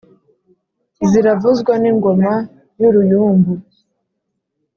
ziravuzwa n’ingoma y’uruyumbu